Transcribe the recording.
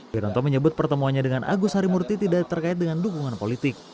wiranto menyebut pertemuannya dengan agus harimurti tidak terkait dengan dukungan politik